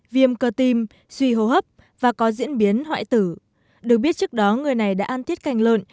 viêm cơ tim suy hô hấp và có diễn biến hoại tử được biết trước đó người này đã ăn thiết canh lợn